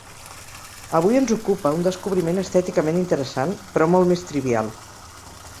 Avui ens ocupa un descobriment estèticament interessant, però molt més trivial.